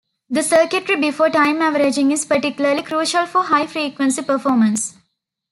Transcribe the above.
The circuitry before time averaging is particularly crucial for high-frequency performance.